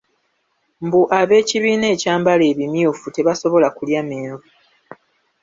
Mbu ab'ekibiina ekyambala ebimyufu tebasobola kulya menvu.